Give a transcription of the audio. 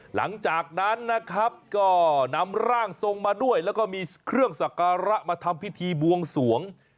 หลังจากนั้นนะครับก็นำร่างทรงมาด้วยแล้วก็มีเครื่องสักการะมาทำพิธีบวงสวง